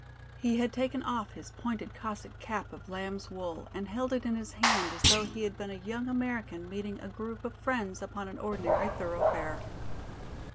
He had taken off his pointed Cossack cap of lamb's wool and held it in his hand as though he had been a young American meeting a group of friends upon an ordinary thoroughfare.